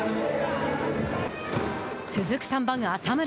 続く、３番浅村。